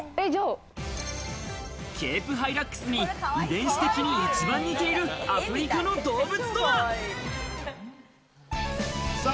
ケープハイラックスに遺伝子的に一番似ているアフリカの動物とは？